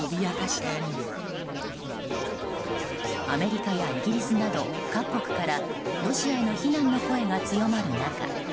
アメリカやイギリスなど各国からロシアへの非難の声が強まる中